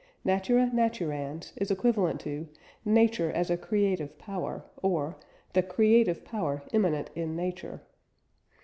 Natura naturans is equivalent to "Nature as a creative power," or "The creative power immanent in Nature."